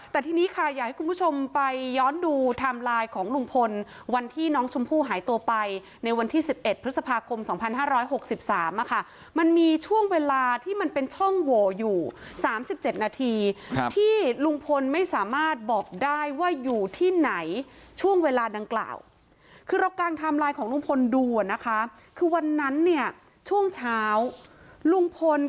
แต่ที่นี้ค่ะอยากให้คุณผู้ชมไปย้อนดู